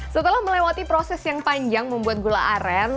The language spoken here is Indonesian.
setelah melewati proses yang panjang membuat gula aren